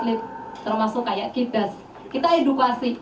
ketika berlalu banyak atlet termasuk kayak kita kita edukasi